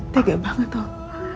tegak banget dong